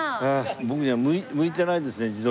僕には向いてないですね自動車は。